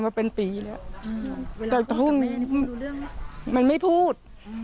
บันเป็นศีล๙๒มันไม่พูด